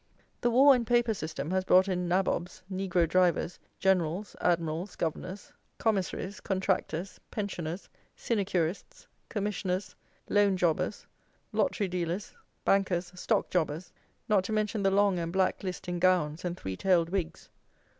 The war and paper system has brought in nabobs, negro drivers, generals, admirals, governors, commissaries, contractors, pensioners, sinecurists, commissioners, loan jobbers, lottery dealers, bankers, stock jobbers; not to mention the long and black list in gowns and three tailed wigs.